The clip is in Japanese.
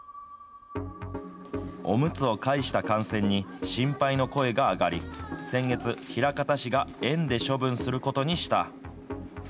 おむつを介した感染に心配の声が上がり、先月、枚方市が園で処分することにした。